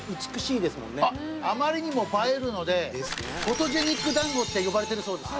あまりにも映えるのでフォトジェニック団子って呼ばれてるそうです。